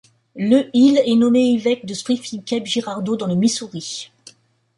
Le il est nommé évêque de Springfield-Cape Girardeau dans le Missouri.